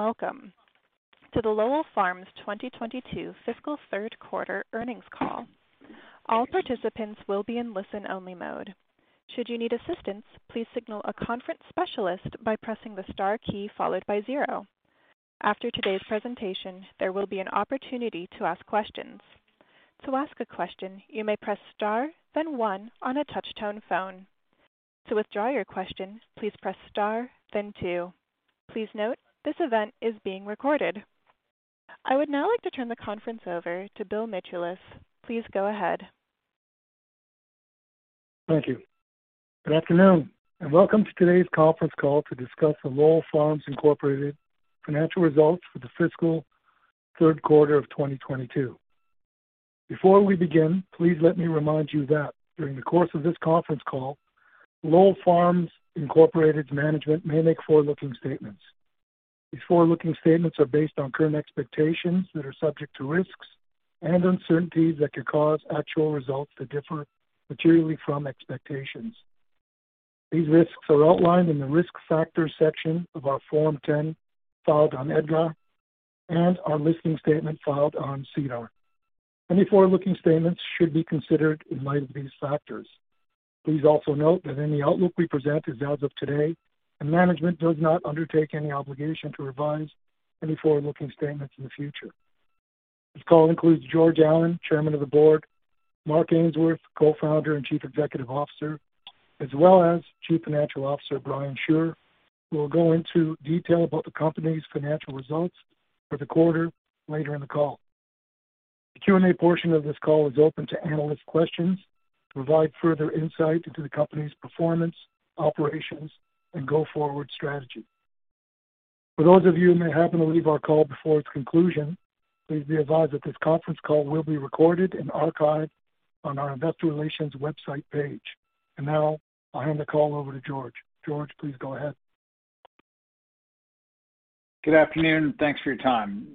Hello and welcome to the Lowell Farms 2022 fiscal third quarter earnings call. All participants will be in listen-only mode. Should you need assistance, please signal a conference specialist by pressing the star key followed by zero. After today's presentation, there will be an opportunity to ask questions. To ask a question, you may press star then one on a touch-tone phone. To withdraw your question, please press star then two. Please note, this event is being recorded. I would now like to turn the conference over to Bill Mitoulas. Please go ahead. Thank you. Good afternoon, and welcome to today's conference call to discuss the Lowell Farms Inc financial results for the fiscal third quarter of 2022. Before we begin, please let me remind you that during the course of this conference call, Lowell Farms Inc.'s management may make forward-looking statements. These forward-looking statements are based on current expectations that are subject to risks and uncertainties that could cause actual results to differ materially from expectations. These risks are outlined in the Risk Factors section of our Form 10-K filed on EDGAR and our listing statement filed on SEDAR. Any forward-looking statements should be considered in light of these factors. Please also note that any outlook we present is as of today, and management does not undertake any obligation to revise any forward-looking statements in the future. This call includes George Allen, Chairman of the Board, Mark Ainsworth, Co-founder and Chief Executive Officer, as well as Chief Financial Officer Brian Shure, who will go into detail about the company's financial results for the quarter later in the call. The Q&A portion of this call is open to analyst questions to provide further insight into the company's performance, operations, and go-forward strategy. For those of you who may happen to leave our call before its conclusion, please be advised that this conference call will be recorded and archived on our investor relations website page. Now, I'll hand the call over to George. George, please go ahead. Good afternoon and thanks for your time.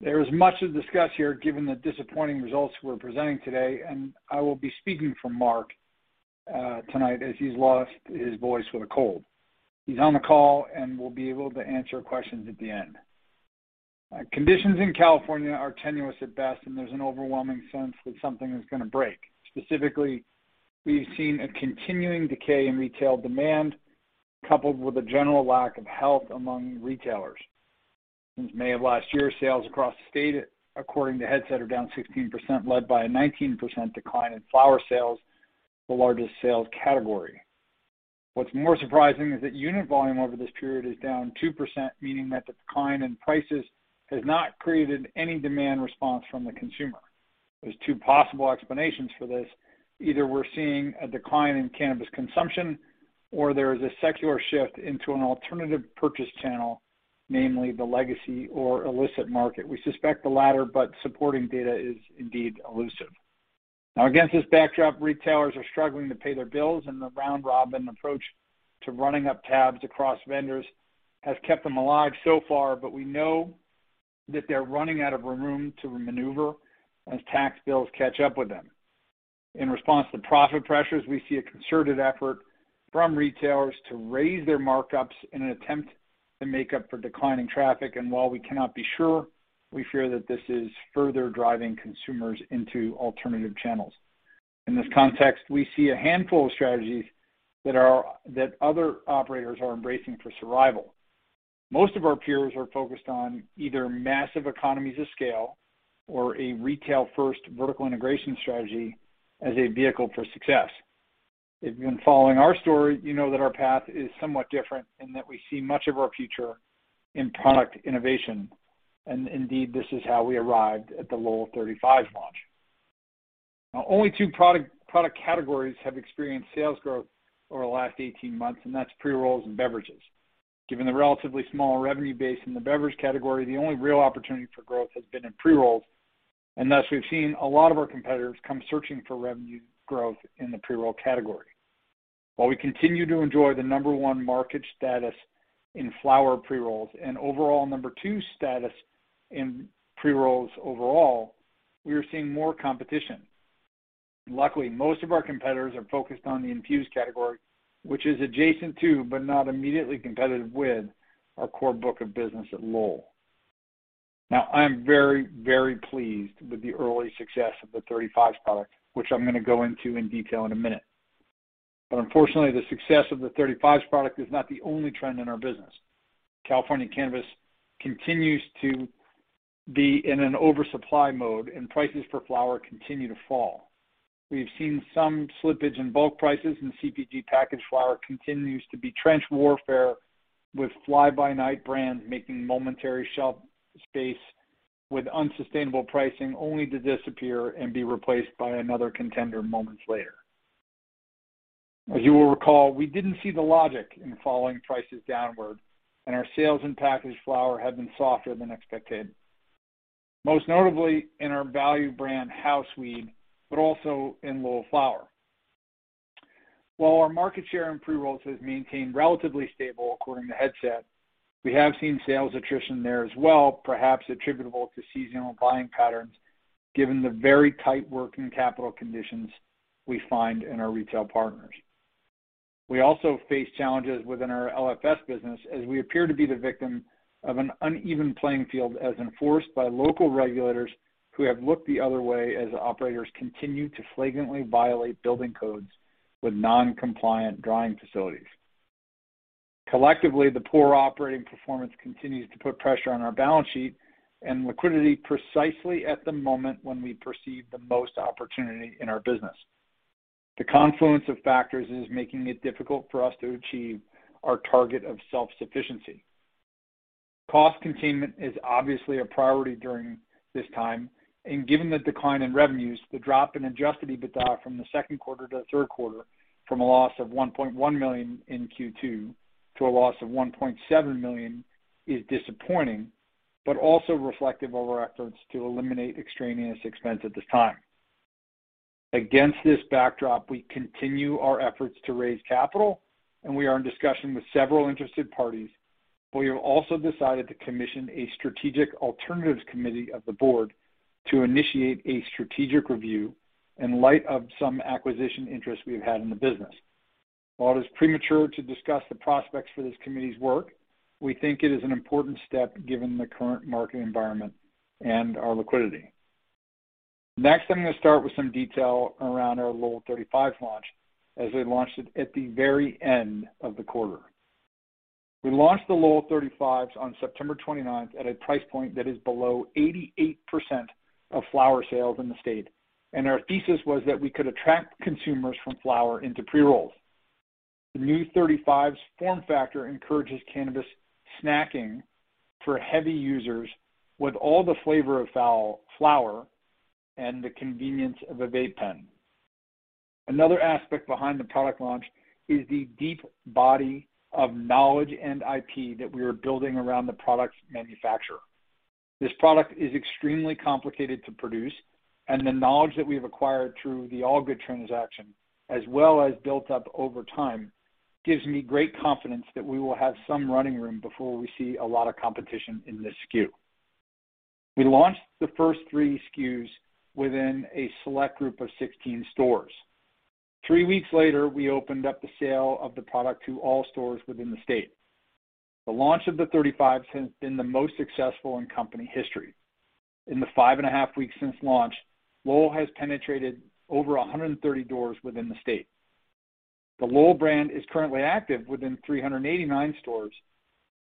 There is much to discuss here, given the disappointing results we're presenting today, and I will be speaking for Mark tonight as he's lost his voice with a cold. He's on the call and will be able to answer questions at the end. Conditions in California are tenuous at best, and there's an overwhelming sense that something is gonna break. Specifically, we've seen a continuing decay in retail demand, coupled with a general lack of health among retailers. Since May of last year, sales across the state, according to Headset, are down 16%, led by a 19% decline in flower sales, the largest sales category. What's more surprising is that unit volume over this period is down 2%, meaning that the decline in prices has not created any demand response from the consumer. There's two possible explanations for this. Either we're seeing a decline in cannabis consumption, or there is a secular shift into an alternative purchase channel, namely the legacy or illicit market. We suspect the latter, but supporting data is indeed elusive. Now against this backdrop, retailers are struggling to pay their bills, and the round-robin approach to running up tabs across vendors has kept them alive so far. We know that they're running out of room to maneuver as tax bills catch up with them. In response to profit pressures, we see a concerted effort from retailers to raise their markups in an attempt to make up for declining traffic. While we cannot be sure, we fear that this is further driving consumers into alternative channels. In this context, we see a handful of strategies that other operators are embracing for survival. Most of our peers are focused on either massive economies of scale or a retail-first vertical integration strategy as a vehicle for success. If you've been following our story, you know that our path is somewhat different and that we see much of our future in product innovation. Indeed, this is how we arrived at the Lowell 35 launch. Now, only two product categories have experienced sales growth over the last 18 months, and that's pre-rolls and beverages. Given the relatively small revenue base in the beverage category, the only real opportunity for growth has been in pre-rolls, and thus we've seen a lot of our competitors come searching for revenue growth in the pre-roll category. While we continue to enjoy the number one market status in flower pre-rolls and overall number two status in pre-rolls overall, we are seeing more competition. Luckily, most of our competitors are focused on the infused category, which is adjacent to, but not immediately competitive with our core book of business at Lowell. Now, I am very, very pleased with the early success of the 35 product, which I'm gonna go into in detail in a minute. Unfortunately, the success of the 35 product is not the only trend in our business. California cannabis continues to be in an oversupply mode, and prices for flower continue to fall. We've seen some slippage in bulk prices, and CPG packaged flower continues to be trench warfare with fly-by-night brands making momentary shelf space with unsustainable pricing, only to disappear and be replaced by another contender moments later. As you will recall, we didn't see the logic in following prices downward, and our sales in packaged flower have been softer than expected, most notably in our value brand House Weed, but also in Lowell Flower. While our market share in pre-rolls has maintained relatively stable according to Headset, we have seen sales attrition there as well, perhaps attributable to seasonal buying patterns, given the very tight working capital conditions we find in our retail partners. We also face challenges within our LFS business as we appear to be the victim of an uneven playing field as enforced by local regulators who have looked the other way as operators continue to flagrantly violate building codes with non-compliant drying facilities. Collectively, the poor operating performance continues to put pressure on our balance sheet and liquidity precisely at the moment when we perceive the most opportunity in our business. The confluence of factors is making it difficult for us to achieve our target of self-sufficiency. Cost containment is obviously a priority during this time, and given the decline in revenues, the drop in Adjusted EBITDA from the second quarter to the third quarter, from a loss of $1.1 million in Q2 to a loss of $1.7 million, is disappointing but also reflective of our efforts to eliminate extraneous expense at this time. Against this backdrop, we continue our efforts to raise capital, and we are in discussion with several interested parties. We have also decided to commission a strategic alternatives committee of the board to initiate a strategic review in light of some acquisition interest we have had in the business. While it is premature to discuss the prospects for this committee's work, we think it is an important step given the current market environment and our liquidity. Next, I'm going to start with some detail around our Lowell 35's launch as we launched it at the very end of the quarter. We launched the Lowell 35's on September 29th at a price point that is below 88% of flower sales in the state, and our thesis was that we could attract consumers from flower into pre-rolls. The new 35's form factor encourages cannabis snacking for heavy users with all the flavor of full flower and the convenience of a vape pen. Another aspect behind the product launch is the deep body of knowledge and IP that we are building around the product's manufacturer. This product is extremely complicated to produce, and the knowledge that we have acquired through the All Good transaction, as well as built up over time, gives me great confidence that we will have some running room before we see a lot of competition in this SKU. We launched the first three SKUs within a select group of 16 stores. Three weeks later, we opened up the sale of the product to all stores within the state. The launch of the 35s has been the most successful in company history. In the 5. Weeks since launch, Lowell has penetrated over 130 doors within the state. The Lowell brand is currently active within 389 stores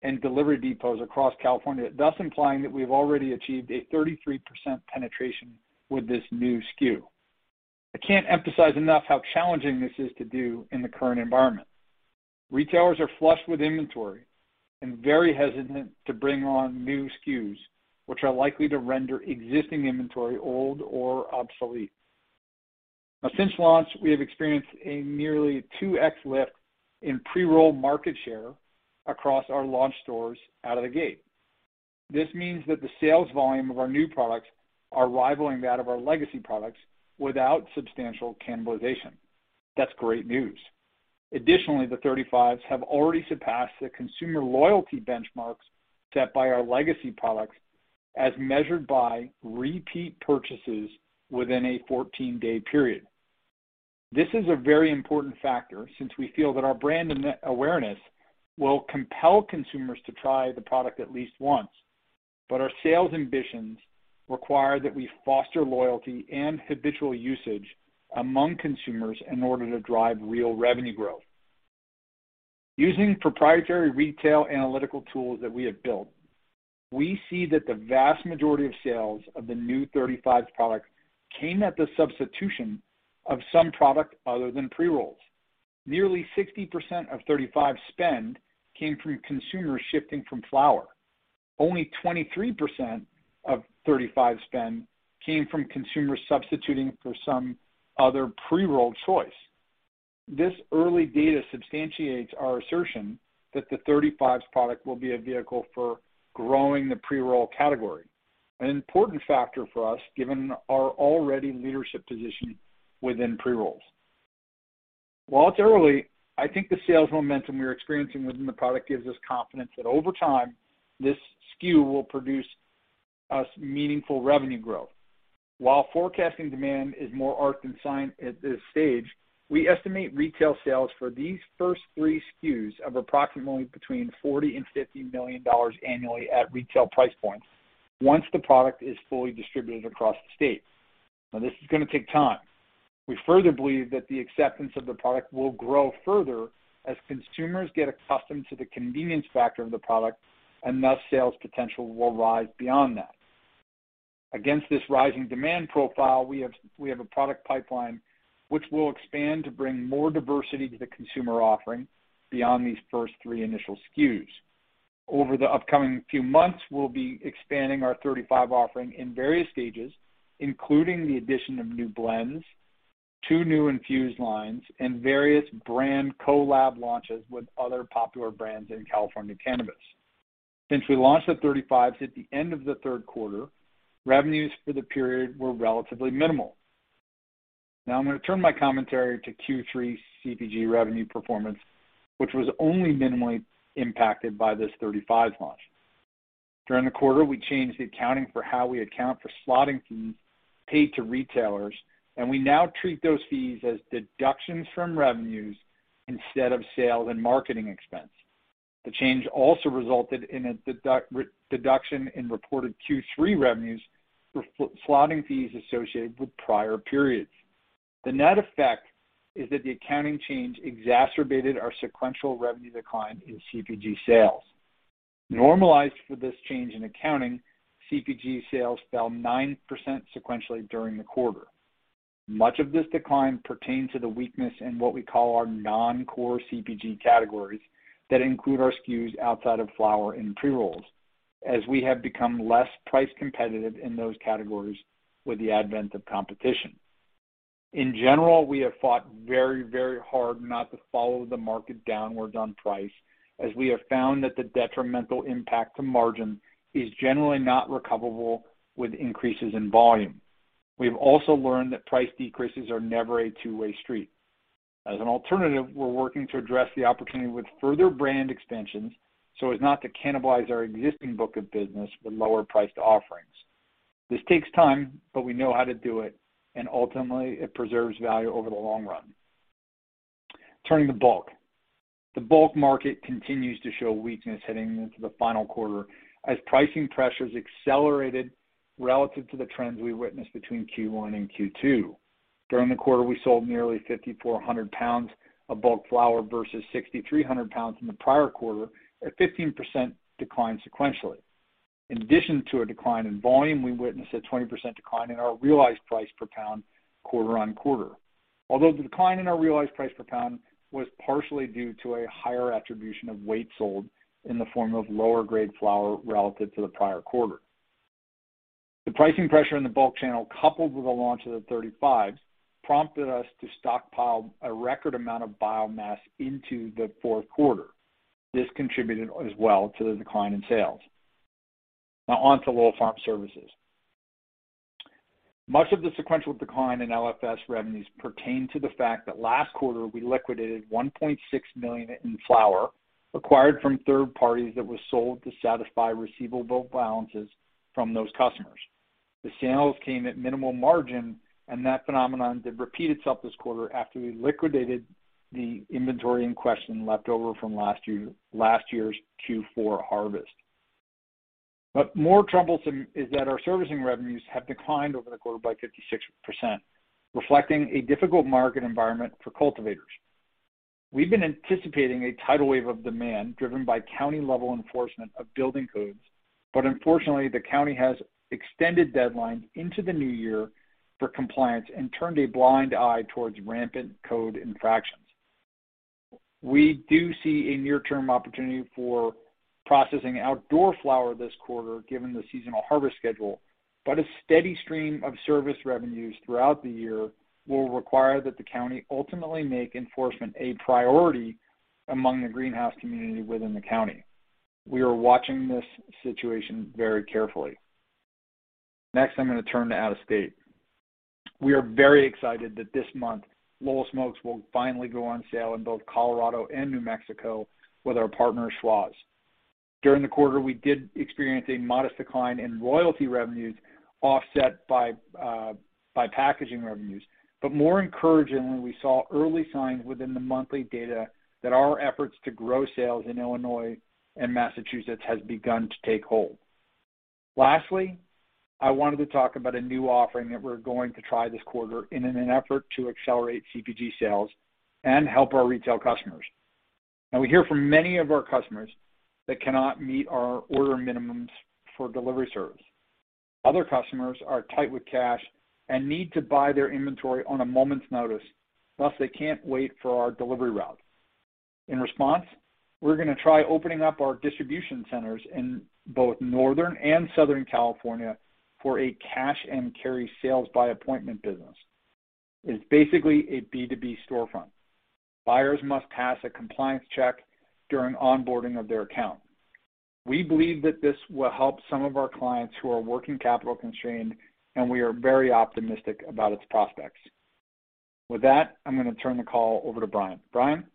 and delivery depots across California, thus implying that we've already achieved a 33% penetration with this new SKU. I can't emphasize enough how challenging this is to do in the current environment. Retailers are flushed with inventory and very hesitant to bring on new SKUs, which are likely to render existing inventory old or obsolete. Now since launch, we have experienced a nearly 2x lift in pre-roll market share across our launch stores out of the gate. This means that the sales volume of our new products are rivaling that of our legacy products without substantial cannibalization. That's great news. Additionally, the 35's have already surpassed the consumer loyalty benchmarks set by our legacy products as measured by repeat purchases within a 14-day period. This is a very important factor since we feel that our brand name awareness will compel consumers to try the product at least once. Our sales ambitions require that we foster loyalty and habitual usage among consumers in order to drive real revenue growth. Using proprietary retail analytical tools that we have built, we see that the vast majority of sales of the new 35s product came at the substitution of some product other than pre-rolls. Nearly 60% of 35s spend came from consumers shifting from flower. Only 23% of 35s spend came from consumers substituting for some other pre-rolled choice. This early data substantiates our assertion that the 35s product will be a vehicle for growing the pre-roll category, an important factor for us given our already leadership position within pre-rolls. While it's early, I think the sales momentum we are experiencing within the product gives us confidence that over time, this SKU will produce us meaningful revenue growth. While forecasting demand is more art than science at this stage, we estimate retail sales for these first three SKUs of approximately $40 million-$50 million annually at retail price points once the product is fully distributed across the state. Now this is going to take time. We further believe that the acceptance of the product will grow further as consumers get accustomed to the convenience factor of the product, and thus, sales potential will rise beyond that. Against this rising demand profile, we have a product pipeline which we'll expand to bring more diversity to the consumer offering beyond these first three initial SKUs. Over the upcoming few months, we'll be expanding our 35 offering in various stages, including the addition of new blends, two new infused lines, and various brand collab launches with other popular brands in California cannabis. Since we launched the 35s at the end of the third quarter, revenues for the period were relatively minimal. Now I'm going to turn my commentary to Q3 CPG revenue performance, which was only minimally impacted by this 35s launch. During the quarter, we changed the accounting for how we account for slotting fees paid to retailers, and we now treat those fees as deductions from revenues instead of sales and marketing expense. The change also resulted in a deduction in reported Q3 revenues for slotting fees associated with prior periods. The net effect is that the accounting change exacerbated our sequential revenue decline in CPG sales. Normalized for this change in accounting, CPG sales fell 9% sequentially during the quarter. Much of this decline pertains to the weakness in what we call our non-core CPG categories that include our SKUs outside of flower and pre-rolls, as we have become less price competitive in those categories with the advent of competition. In general, we have fought very, very hard not to follow the market downwards on price, as we have found that the detrimental impact to margin is generally not recoverable with increases in volume. We have also learned that price decreases are never a two-way street. As an alternative, we're working to address the opportunity with further brand extensions, so as not to cannibalize our existing book of business with lower-priced offerings. This takes time, but we know how to do it, and ultimately it preserves value over the long run. Turning to bulk. The bulk market continues to show weakness heading into the final quarter as pricing pressures accelerated relative to the trends we witnessed between Q1 and Q2. During the quarter, we sold nearly 5,400 pounds of bulk flower versus 6,300 pounds in the prior quarter, a 15% decline sequentially. In addition to a decline in volume, we witnessed a 20% decline in our realized price per pound quarter on quarter. Although the decline in our realized price per pound was partially due to a higher attribution of weight sold in the form of lower grade flower relative to the prior quarter. The pricing pressure in the bulk channel, coupled with the launch of the 35s, prompted us to stockpile a record amount of biomass into the fourth quarter. This contributed as well to the decline in sales. Now on to Lowell Farm Services. Much of the sequential decline in LFS revenues pertain to the fact that last quarter we liquidated $1.6 million in flower acquired from third parties that was sold to satisfy receivable balances from those customers. The sales came at minimal margin, and that phenomenon did repeat itself this quarter after we liquidated the inventory in question leftover from last year, last year's Q4 harvest. More troublesome is that our servicing revenues have declined over the quarter by 56%, reflecting a difficult market environment for cultivators. We've been anticipating a tidal wave of demand driven by county-level enforcement of building codes, but unfortunately, the county has extended deadlines into the new year for compliance and turned a blind eye towards rampant code infractions. We do see a near-term opportunity for processing outdoor flower this quarter, given the seasonal harvest schedule, but a steady stream of service revenues throughout the year will require that the county ultimately make enforcement a priority among the greenhouse community within the county. We are watching this situation very carefully. Next, I'm going to turn to out-of-state. We are very excited that this month, Lowell Smokes will finally go on sale in both Colorado and New Mexico with our partner, Schwazze. During the quarter, we did experience a modest decline in royalty revenues offset by packaging revenues. More encouraging, we saw early signs within the monthly data that our efforts to grow sales in Illinois and Massachusetts has begun to take hold. Lastly, I wanted to talk about a new offering that we're going to try this quarter in an effort to accelerate CPG sales and help our retail customers. Now, we hear from many of our customers that cannot meet our order minimums for delivery service. Other customers are tight with cash and need to buy their inventory on a moment's notice, thus, they can't wait for our delivery route. In response, we're gonna try opening up our distribution centers in both Northern and Southern California for a cash and carry sales by appointment business. It's basically a B2B storefront. Buyers must pass a compliance check during onboarding of their account. We believe that this will help some of our clients who are working capital-constrained, and we are very optimistic about its prospects. With that, I'm gonna turn the call over to Brian. Brian?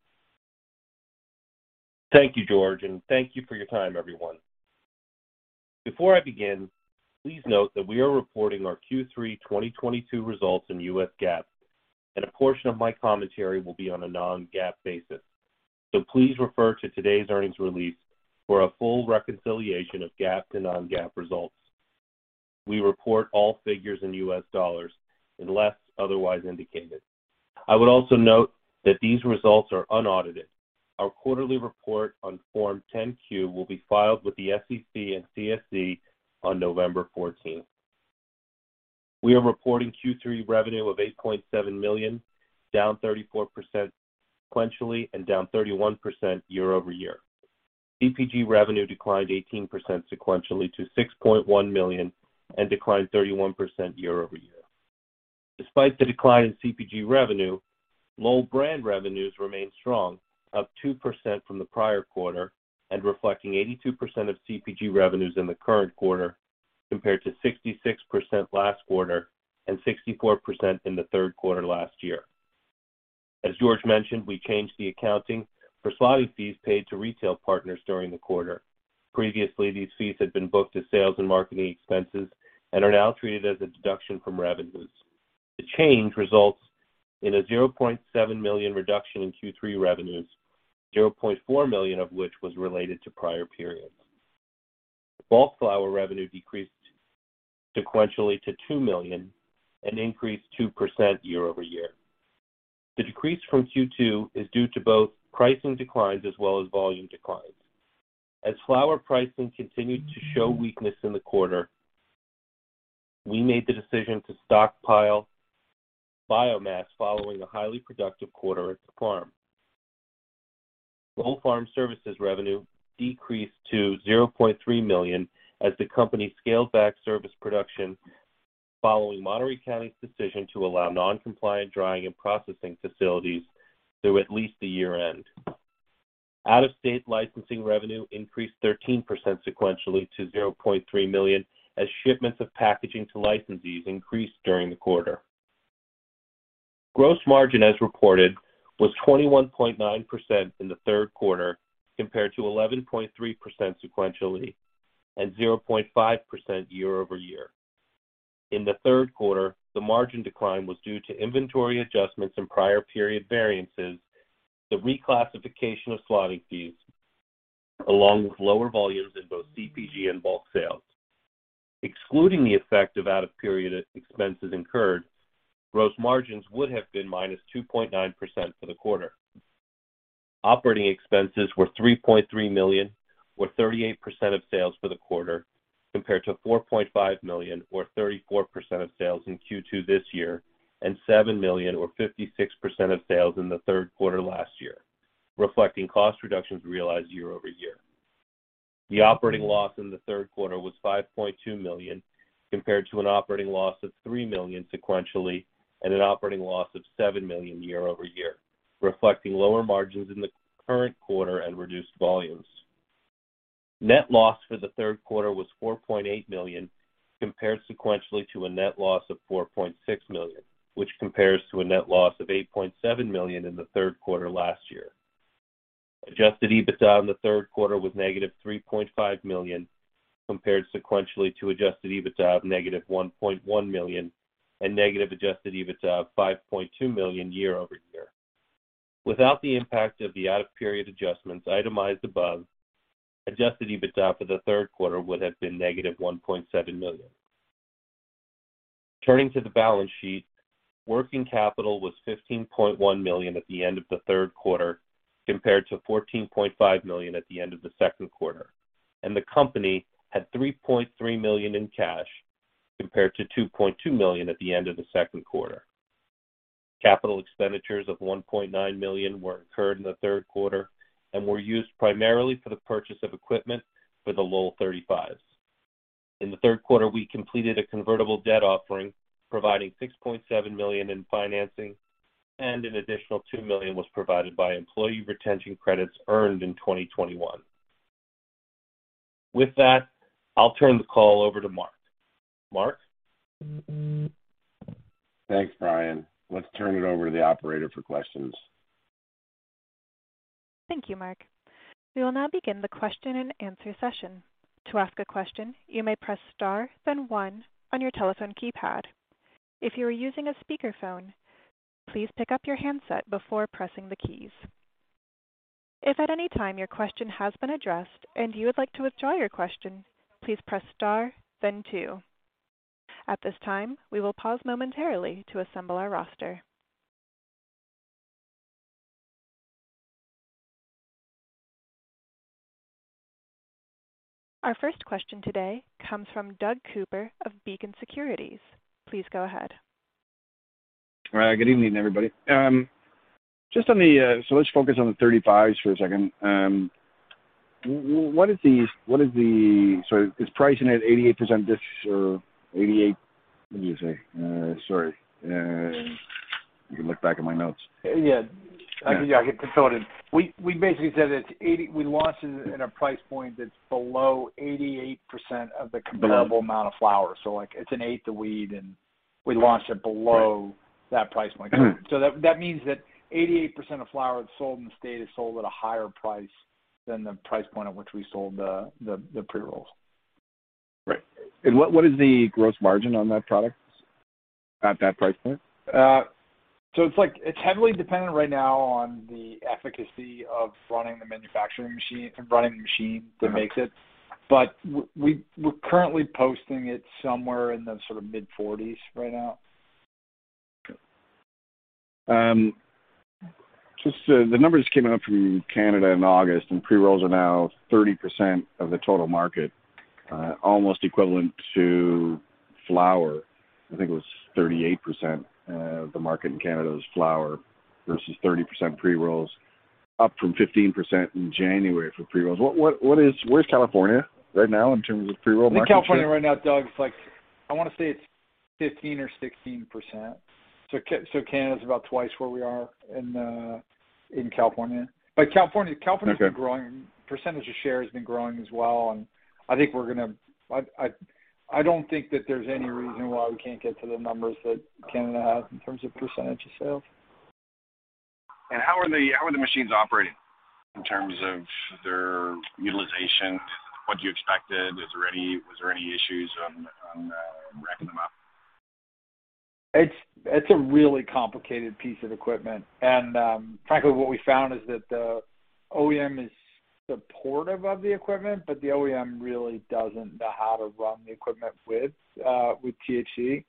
Thank you, George, and thank you for your time, everyone. Before I begin, please note that we are reporting our Q3 2022 results in U.S. GAAP, and a portion of my commentary will be on a non-GAAP basis. Please refer to today's earnings release for a full reconciliation of GAAP to non-GAAP results. We report all figures in U.S. dollars unless otherwise indicated. I would also note that these results are unaudited. Our quarterly report on Form 10-Q will be filed with the SEC and CSE on November fourteenth. We are reporting Q3 revenue of $8.7 million, down 34% sequentially and down 31% year-over-year. CPG revenue declined 18% sequentially-$6.1 million and declined 31% year-over-year. Despite the decline in CPG revenue, Lowell brand revenues remained strong, up 2% from the prior quarter and reflecting 82% of CPG revenues in the current quarter, compared to 66% last quarter and 64% in the third quarter last year. As George mentioned, we changed the accounting for slotting fees paid to retail partners during the quarter. Previously, these fees had been booked as sales and marketing expenses and are now treated as a deduction from revenues. The change results in a $0.7 million reduction in Q3 revenues, $0.4 million of which was related to prior periods. Bulk flower revenue decreased sequentially to $2 million and increased 2% year-over-year. The decrease from Q2 is due to both pricing declines as well as volume declines. As flower pricing continued to show weakness in the quarter, we made the decision to stockpile biomass following a highly productive quarter at the farm. Lowell Farm Services revenue decreased to $0.3 million as the company scaled back service production following Monterey County's decision to allow non-compliant drying and processing facilities through at least the year-end. Out-of-state licensing revenue increased 13% sequentially-$0.3 million as shipments of packaging to licensees increased during the quarter. Gross margin, as reported, was 21.9% in the third quarter, compared to 11.3% sequentially and 0.5% year-over-year. In the third quarter, the margin decline was due to inventory adjustments and prior period variances, the reclassification of slotting fees, along with lower volumes in both CPG and bulk sales. Excluding the effect of out-of-period expenses incurred, gross margins would have been -2.9% for the quarter. Operating expenses were $3.3 million, or 38% of sales for the quarter, compared to $4.5 million or 34% of sales in Q2 this year, and $7 million or 56% of sales in the third quarter last year, reflecting cost reductions realized year-over-year. The operating loss in the third quarter was $5.2 million, compared to an operating loss of $3 million sequentially and an operating loss of $7 million year-over-year, reflecting lower margins in the current quarter and reduced volumes. Net loss for the third quarter was $4.8 million, compared sequentially to a net loss of $4.6 million, which compares to a net loss of $8.7 million in the third quarter last year. Adjusted EBITDA in the third quarter was -$3.5 million, compared sequentially to Adjusted EBITDA of -$1.1 million and negative Adjusted EBITDA of -$5.2 million year-over-year. Without the impact of the out-of-period adjustments itemized above, Adjusted EBITDA for the third quarter would have been -$1.7 million. Turning to the balance sheet, working capital was $15.1 million at the end of the third quarter compared to $14.5 million at the end of the second quarter, and the company had $3.3 million in cash compared to $2.2 million at the end of the second quarter. Capital expenditures of $1.9 million were incurred in the third quarter and were used primarily for the purchase of equipment for the Lowell 35's. In the third quarter, we completed a convertible debt offering providing $6.7 million in financing and an additional $2 million was provided by employee retention credits earned in 2021. With that, I'll turn the call over to Mark. Mark? Thanks, Brian. Let's turn it over to the operator for questions. Thank you, Mark. We will now begin the question and answer session. To ask a question, you may press star then one on your telephone keypad. If you are using a speakerphone, please pick up your handset before pressing the keys. If at any time your question has been addressed and you would like to withdraw your question, please press star then two. At this time, we will pause momentarily to assemble our roster. Our first question today comes from Doug Cooper of Beacon Securities. Please go ahead. All right. Good evening, everybody. Just on the, let's focus on the 35s for a second. What is the pricing at 88% ish or 88? What did you say? Sorry. Let me look back at my notes. Yeah. Yeah. I can consult it. We basically said it's 80. We launched it at a price point that's below 88% of the comparable amount of flower. Like it's an eighth of weed, and we launched it below that price point. Mm-hmm. That means that 88% of flower that's sold in the state is sold at a higher price than the price point at which we sold the pre-rolls. Right. What is the gross margin on that product at that price point? It's like, it's heavily dependent right now on the efficacy of running the manufacturing machine and running the machine that makes it. We're currently posting it somewhere in the sort of mid-40s right now. Okay. Just the numbers came out from Canada in August, and pre-rolls are now 30% of the total market, almost equivalent to flower. I think it was 38%, the market in Canada was flower versus 30% pre-rolls, up from 15% in January for pre-rolls. Where's California right now in terms of pre-roll market share? I think California right now, Doug, it's like, I wanna say it's 15 or 16%. Canada is about twice where we are. In California. Okay. California has been growing. Percentage of share has been growing as well. I think I don't think that there's any reason why we can't get to the numbers that Canada has in terms of percentage of sales. How are the machines operating in terms of their utilization? What you expected? Was there any issues on ramping them up? It's a really complicated piece of equipment. Frankly, what we found is that the OEM is supportive of the equipment, but the OEM really doesn't know how to run the equipment with THC.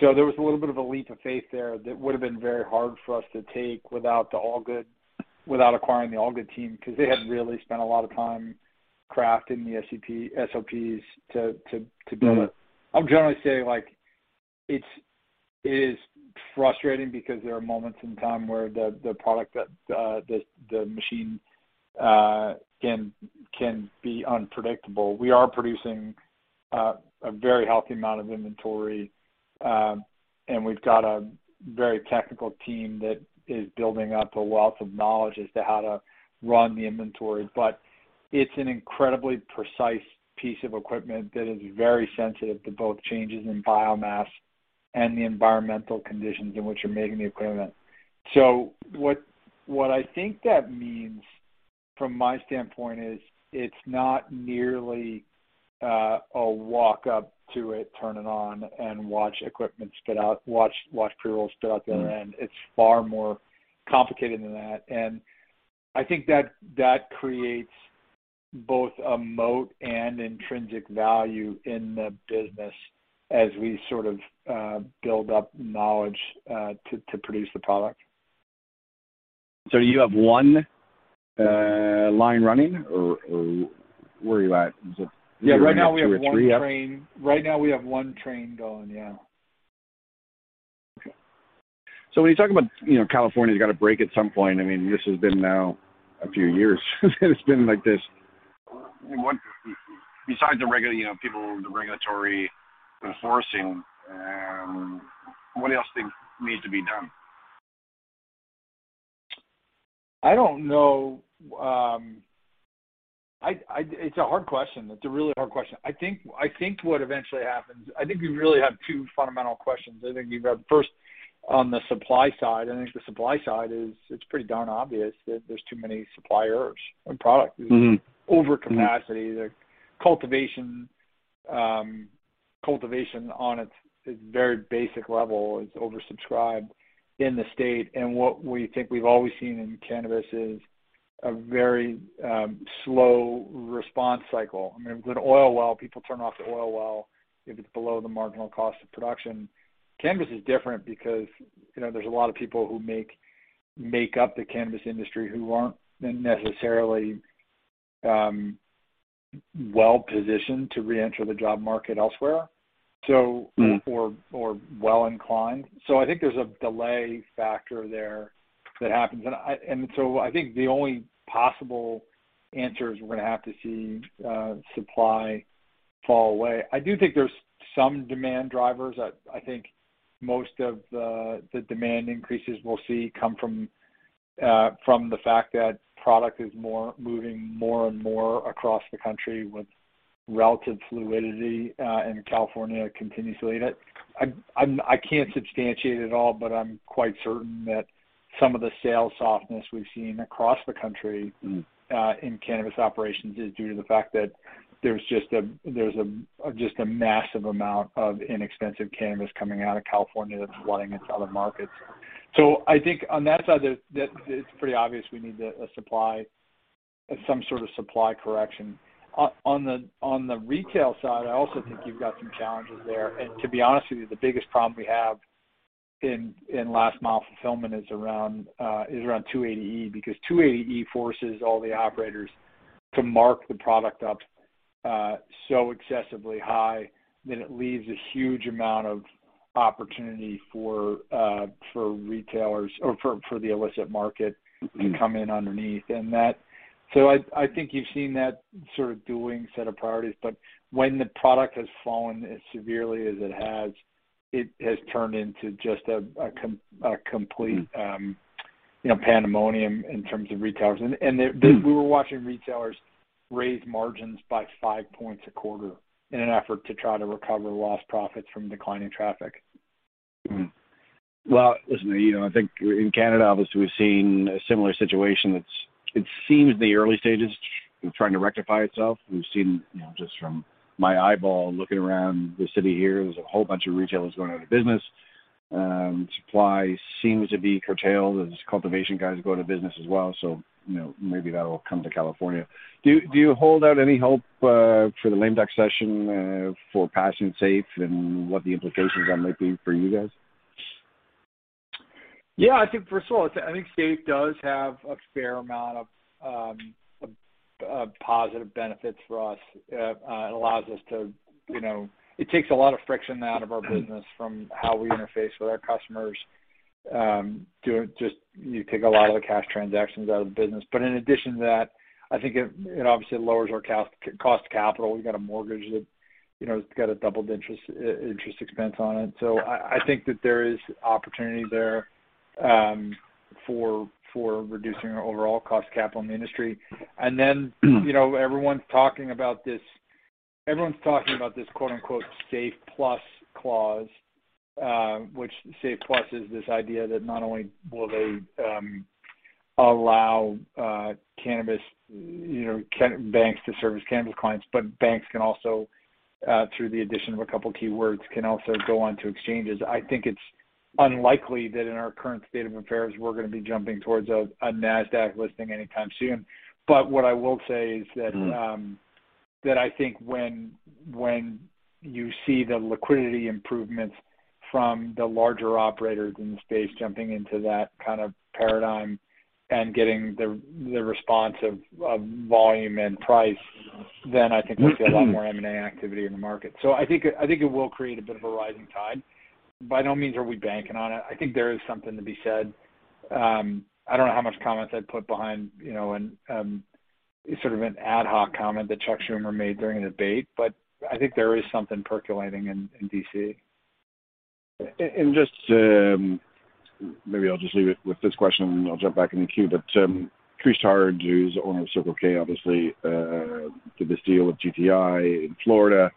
So there was a little bit of a leap of faith there that would have been very hard for us to take without the All Good, without acquiring the All Good team, because they had really spent a lot of time crafting the SOPs to do it. I'm generally saying, like, it is frustrating because there are moments in time where the machine can be unpredictable. We are producing a very healthy amount of inventory, and we've got a very technical team that is building up a wealth of knowledge as to how to run the inventory. It's an incredibly precise piece of equipment that is very sensitive to both changes in biomass and the environmental conditions in which you're making the equipment. What I think that means from my standpoint is it's not nearly a walk up to it, turn it on, and watch equipment spit out, watch pre-rolls spit out the other end. Mm-hmm. It's far more complicated than that. I think that creates both a moat and intrinsic value in the business as we sort of build up knowledge to produce the product. You have one line running or where are you at? Is it two or three up? Yeah, right now we have one train. Right now we have one train going, yeah. Okay. When you talk about, you know, California's got to break at some point, I mean, this has been now a few years that it's been like this. What besides the regular, you know, people, the regulatory enforcing, what else needs to be done? I don't know. It's a hard question. It's a really hard question. I think what eventually happens. I think we really have two fundamental questions. I think we've got first on the supply side. I think the supply side is pretty darn obvious that there's too many suppliers and product. Mm-hmm. Overcapacity. The cultivation on its very basic level is oversubscribed in the state. What we think we've always seen in cannabis is a very slow response cycle. I mean, a good oil well, people turn off the oil well if it's below the marginal cost of production. Cannabis is different because, you know, there's a lot of people who make up the cannabis industry who aren't necessarily well-positioned to reenter the job market elsewhere. Mm. I think there's a delay factor there that happens. I think the only possible answer is we're gonna have to see supply fall away. I do think there's some demand drivers. I think most of the demand increases we'll see come from from the fact that product is more moving more and more across the country with relative fluidity, and California continues to lead it. I can't substantiate it at all, but I'm quite certain that some of the sales softness we've seen across the country. Mm. In cannabis operations is due to the fact that there's just a massive amount of inexpensive cannabis coming out of California that's flooding into other markets. I think on that side, it's pretty obvious we need a supply, some sort of supply correction. On the retail side, I also think you've got some challenges there. To be honest with you, the biggest problem we have in last mile fulfillment is around 280E, because 280E forces all the operators to mark the product up so excessively high that it leaves a huge amount of opportunity for retailers or for the illicit market. Mm. To come in underneath. That. So I think you've seen that sort of dueling set of priorities, but when the product has fallen as severely as it has, it has turned into just a complete, you know, pandemonium in terms of retailers. Mm. We were watching retailers raise margins by five points a quarter in an effort to try to recover lost profits from declining traffic. Mm-hmm. Well, listen, you know, I think in Canada, obviously, we've seen a similar situation that seems in the early stages trying to rectify itself. We've seen, you know, just from my eyeball looking around the city here, there's a whole bunch of retailers going out of business. Supply seems to be curtailed as cultivation guys go out of business as well. You know, maybe that'll come to California. Do you hold out any hope for the lame duck session for passing SAFE and what the implications of that might be for you guys? Yeah, I think first of all, I think SAFE does have a fair amount of positive benefits for us. It allows us to, you know. It takes a lot of friction out of our business from how we interface with our customers. You take a lot of the cash transactions out of the business. But in addition to that, I think it obviously lowers our cost of capital. We got a mortgage that has got a doubled interest expense on it. I think that there is opportunity there for reducing our overall cost of capital in the industry. Everyone's talking about this quote-unquote SAFE Plus clause, which SAFE Plus is this idea that not only will they allow cannabis, you know, banks to service cannabis clients, but banks can also through the addition of a couple of keywords go on to exchanges. I think it's unlikely that in our current state of affairs, we're gonna be jumping towards a Nasdaq listing anytime soon. What I will say is that Mm. that I think when you see the liquidity improvements from the larger operators in the space jumping into that kind of paradigm and getting the response of volume and price, then I think we'll see. Mm. A lot more M&A activity in the market. I think it will create a bit of a rising tide. By no means are we banking on it. I think there is something to be said. I don't know how much credence I'd put behind, you know, and sort of an ad hoc comment that Chuck Schumer made during the debate, but I think there is something percolating in D.C. Maybe I'll just leave it with this question, and I'll jump back in the queue. Chris Lord, who's the owner of Circle K, obviously did this deal with GTI in Florida,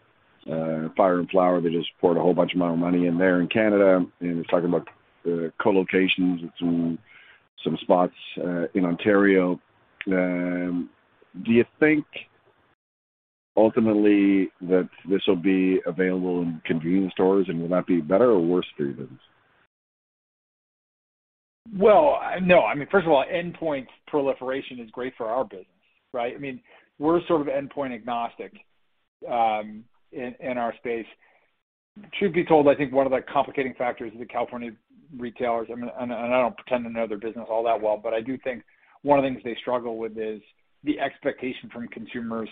Fire & Flower. They just poured a whole bunch of amount of money in there in Canada, and he's talking about co-locations with some spots in Ontario. Do you think ultimately that this will be available in convenience stores, and will that be better or worse for you guys? Well, no. I mean, first of all, endpoint proliferation is great for our business, right? I mean, we're sort of endpoint agnostic in our space. Truth be told, I think one of the complicating factors of the California retailers, and I don't pretend to know their business all that well, but I do think one of the things they struggle with is the expectation from consumers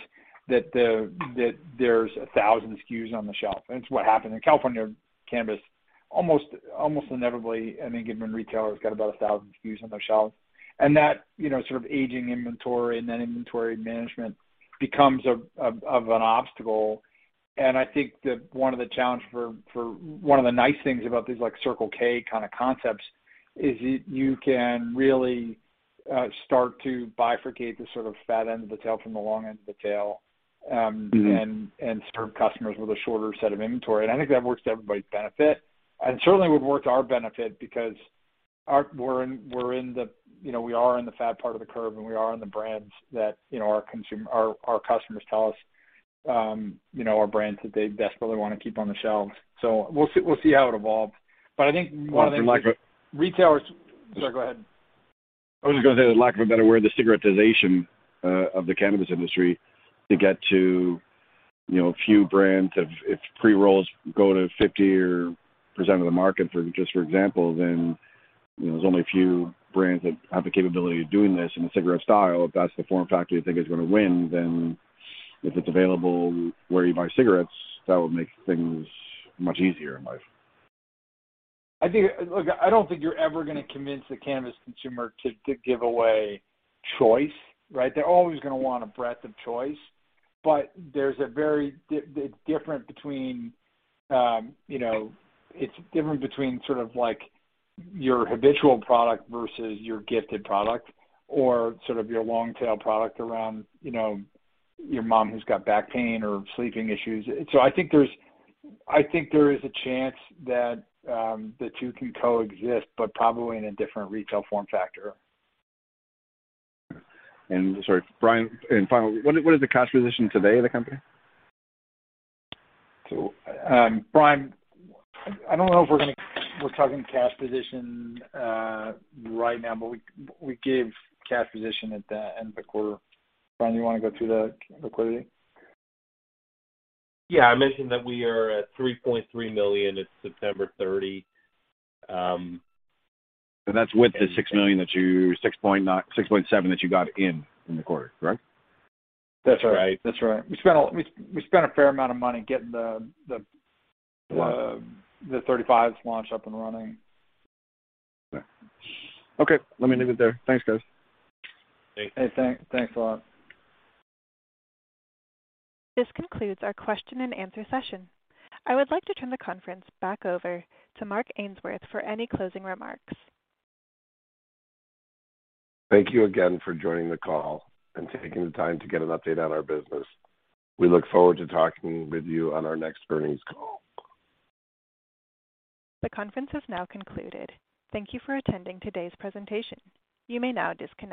that there's 1,000 SKUs on the shelf. That's what happened. In California, cannabis almost inevitably any given retailer has got about 1,000 SKUs on their shelf. That, you know, sort of aging inventory and then inventory management becomes an obstacle. I think that one of the challenge for. One of the nice things about these, like, Circle K kind of concepts is you can really start to bifurcate the sort of fat end of the tail from the long end of the tail. Mm-hmm. serve customers with a shorter set of inventory. I think that works to everybody's benefit. Certainly would work to our benefit because we're in the fat part of the curve, and we are in the brands that, you know, our customers tell us, you know, are brands that they desperately wanna keep on the shelves. We'll see how it evolves. I think one of the Well. Sorry, go ahead. I was just gonna say, the lack of a better word, the cigarettization of the cannabis industry to get to, you know, a few brands. If pre-rolls go to 50% of the market, for example, then, you know, there's only a few brands that have the capability of doing this in a cigarette style. If that's the form factor you think is gonna win, then if it's available where you buy cigarettes, that would make things much easier in life. I think, look, I don't think you're ever gonna convince the cannabis consumer to give away choice, right? They're always gonna want a breadth of choice. There's a very different between you know. It's different between sort of like your habitual product versus your gifted product or sort of your long tail product around, you know, your mom who's got back pain or sleeping issues. I think there is a chance that the two can coexist, but probably in a different retail form factor. Sorry, Brian, and finally, what is the cash position today of the company? Brian, I don't know if we're gonna. We're talking cash position right now, but we give cash position at the end of the quarter. Brian, you wanna go through the liquidity? Yeah. I mentioned that we are at $3.3 million. It's September 30. That's with the $6.7 million that you got in the quarter, correct? That's right. That's right. That's right. We spent a fair amount of money getting the. Yeah. The 35's launch up and running. Okay. Let me leave it there. Thanks, guys. Thanks. Hey, thanks a lot. This concludes our question and answer session. I would like to turn the conference back over to Mark Ainsworth for any closing remarks. Thank you again for joining the call and taking the time to get an update on our business. We look forward to talking with you on our next earnings call. The conference has now concluded. Thank you for attending today's presentation. You may now disconnect.